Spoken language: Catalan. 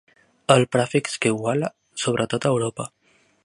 El prefix que iguala, sobretot a Europa.